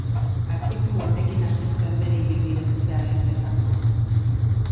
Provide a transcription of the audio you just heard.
Artikulu honekin hasi zuen bere ibilaldi luzea Letretan.